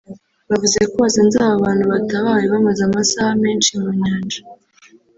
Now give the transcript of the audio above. bavuze ko basanze aba bantu batabawe bamaze amasaha menshi mu Nyanja